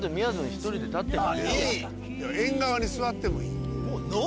いい縁側に座ってもいい。